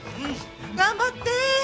頑張って！